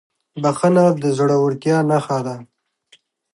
بښنه د زړهورتیا نښه ده.